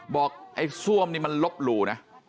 บอกไอ้ซ่วมนี่มันลบหลู่นะ